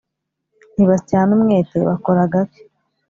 ntibasyana umwete bakora gake